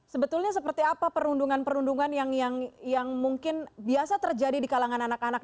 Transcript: sebetulnya seperti apa perundungan perundungan yang mungkin biasa terjadi di kalangan anak anak